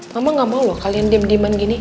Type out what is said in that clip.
mama gak mau loh kalian diem dieman gini